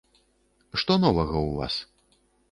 Што новага ў вас?